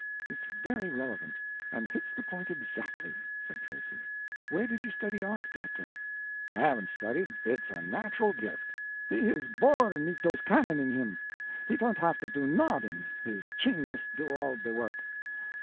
"It's very relevant, and hits the point exactly," said Tracy. "Where did you study art, Captain?" "I haven't studied; it's a natural gift." "He is born mit dose cannon in him. He tondt haf to do noding, his chenius do all de vork.